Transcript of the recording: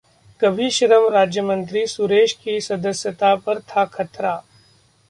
कभी श्रम राज्यमंत्री सुरेश की सदस्यता पर था खतरा